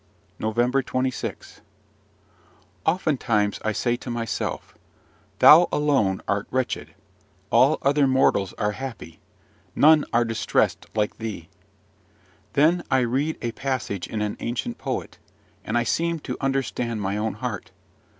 NOVEMBER 26. Oftentimes I say to myself, "Thou alone art wretched: all other mortals are happy, none are distressed like thee!" Then I read a passage in an ancient poet, and I seem to understand my own heart.